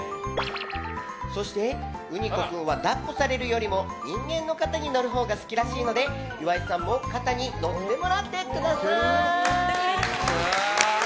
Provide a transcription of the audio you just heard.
そして、うにこ君は抱っこされるよりも人間の肩に乗るほうが好きらしいので岩井さんも肩に乗ってもらってください！